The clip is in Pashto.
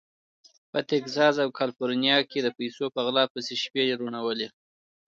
په تګزاس او کالیفورنیا کې د پیسو په غلا پسې شپې روڼولې.